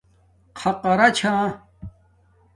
خَقارا چھݳ